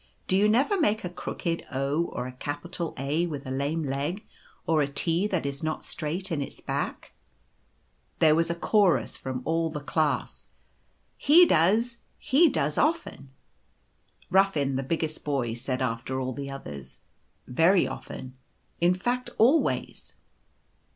Do you never make a crooked o or a capital A with a lame leg, or a T that is not straight in its back ?" There was a chorus from all the class, cc He does. He does often." Ruffin, the biggest boy, said after all the others, " Very often. In fact always."